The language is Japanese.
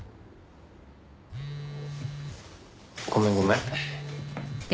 ごめんごめん。